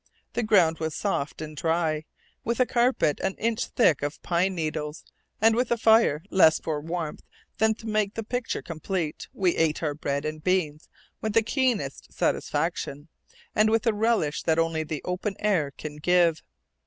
The ground was soft and dry, with a carpet an inch thick of pine needles; and with a fire, less for warmth than to make the picture complete, we ate our bread and beans with the keenest satisfaction, and with a relish that only the open air can give.